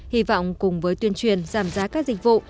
hy vọng cùng với tuyên truyền giảm giá các dịch vụ